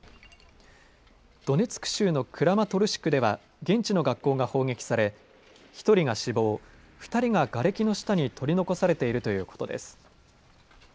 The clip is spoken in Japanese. ドネツク州のクラマトルシクでは現地の学校が砲撃され１人が死亡、２人ががれきの下に取り残されているということです。